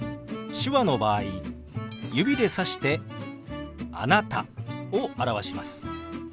手話の場合指でさして「あなた」を表します。